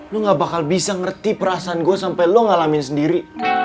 lu ga bakal bisa ngerti perasaan gua sampe lu ngalamin sendiri